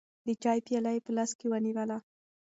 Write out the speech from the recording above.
د چای پیاله یې په لاس کې ونیوله.